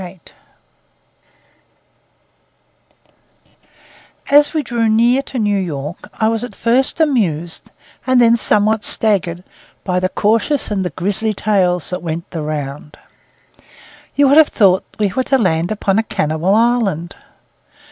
NEW YORK As we drew near to New York I was at first amused, and then somewhat staggered, by the cautious and the grisly tales that went the round. You would have thought we were to land upon a cannibal island.